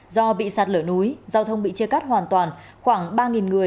do bị sạt lở núi giao thông bị chia cắt hoàn toàn khoảng ba người